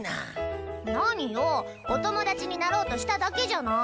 何よお友達になろうとしただけじゃない。